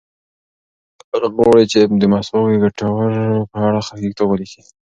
هغه غواړي چې د مسواک د ګټو په اړه یو کتاب ولیکي.